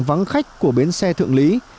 vắng khách của bến xe tường lý